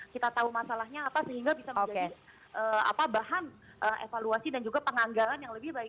kita tahu masalahnya apa sehingga bisa menjadi bahan evaluasi dan juga penganggaran yang terbaik